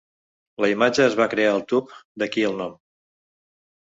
La imatge es va crear al tub, d'aquí el nom.